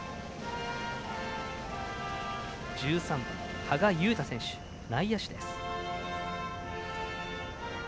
１３番、芳賀裕太選手内野手です。